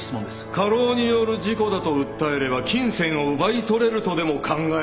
過労による事故だと訴えれば金銭を奪い取れるとでも考えたのではないですか。